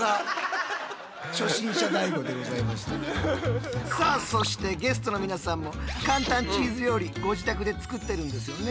そんなん。さあそしてゲストの皆さんも簡単チーズ料理ご自宅で作ってるんですよね？